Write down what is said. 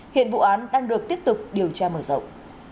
hiện vụ án đang được tiếp tục điều tra mở rộng